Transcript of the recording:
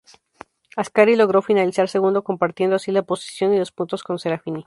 Ascari logró finalizar segundo, compartiendo así la posición y los puntos con Serafini.